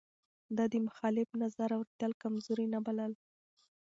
ده د مخالف نظر اورېدل کمزوري نه بلله.